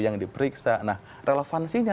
yang diperiksa nah relevansinya